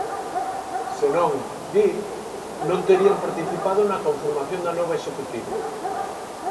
Senón, di, non terían participado na conformación da nova Executiva.